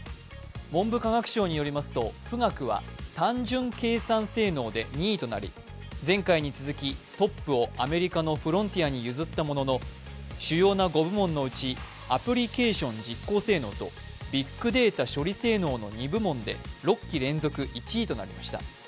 文部科学省によりますと、富岳は単純計算性能で２位となり前回に続き、トップをアメリカのフロンティアに譲ったものの主要な５部門のうちアプリケーション実行性能とビッグデータ処理性能の２部門で６期連続１位となりました。